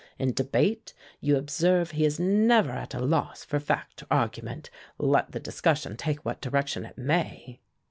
In debate, you observe he is never at a loss for fact or argument, let the discussion take what direction it may."